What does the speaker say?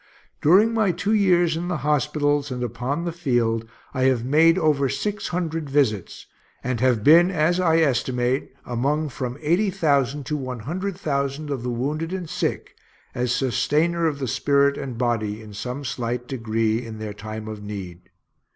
During my two years in the hospitals and upon the field, I have made over six hundred visits, and have been, as I estimate, among from eighty thousand to one hundred thousand of the wounded and sick, as sustainer of spirit and body in some slight degree, in their time of need.